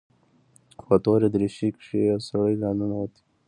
په توره دريشي کښې يو سړى راننوت.